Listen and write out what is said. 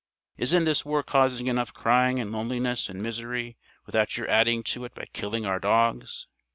Isn't this war causing enough crying and loneliness and misery without your adding to it by killing our dogs?